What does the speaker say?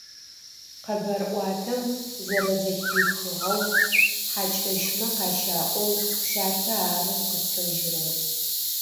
Къэбарӏуатэм зэрэзэхихыгъэу хьакӏэщмэ къащаӏоу сятэ ары къышӏэжьырэр.